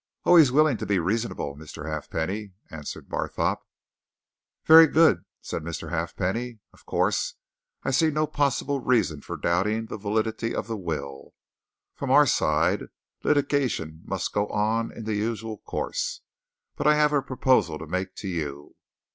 "Always willing to be reasonable, Mr. Halfpenny," answered Barthorpe. "Very good," said Mr. Halfpenny. "Of course, I see no possible reason for doubting the validity of the will. From our side, litigation must go on in the usual course. But I have a proposal to make to you.